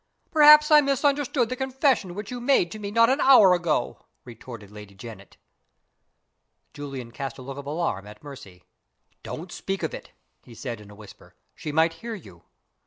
"Perhaps I misunderstand the confession which you made to me not an hour ago?" retorted Lady Janet. Julian cast a look of alarm at Mercy. "Don't speak of it!" he said, in a whisper. "She might hear you."